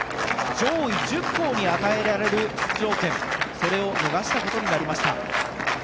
上位１０校に与えられる出場権それを逃したことになりました。